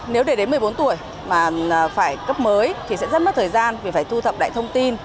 nếu để đến một mươi bốn tuổi mà phải cấp mới thì sẽ rất mất thời gian vì phải thu thập đại thông tin